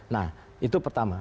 nah itu pertama